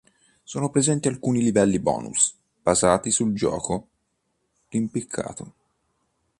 Sono presenti alcuni livelli bonus basati sul gioco l'impiccato.